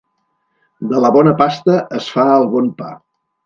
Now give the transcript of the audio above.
De la bona pasta es fa el bon pa.